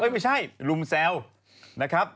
ไม่ใช่ลุมแซวนะครับ